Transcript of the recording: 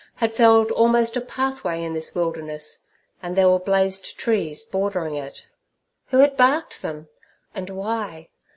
had felled almost a pathway in this wilderness, and there were blazed trees bordering it. Who had barked them? And why?